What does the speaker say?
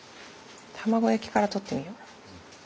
卵焼きから取ってみよう。